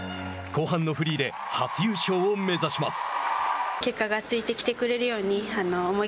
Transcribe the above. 後半のフリーで初優勝を目指します。